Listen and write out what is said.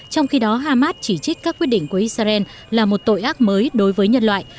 trong khi đó hamas chỉ trích các quyết định của israel là một tội ác mới đối với nhân loại